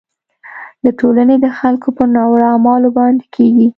د ټولنې د خلکو په ناوړه اعمالو باندې کیږي.